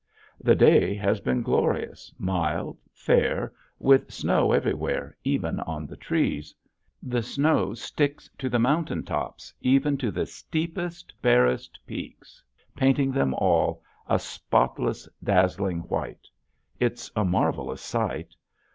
The day has been glorious, mild, fair, with snow everywhere even on the trees. The snow sticks to the mountain tops even to the steepest, barest peaks painting them all a spotless, dazzling white. It's a marvelous sight.